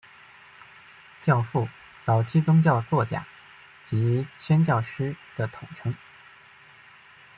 教父早期宗教作家及宣教师的统称。